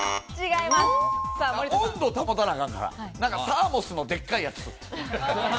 温度を保たなあかんから、サーモスのでっかいやつ。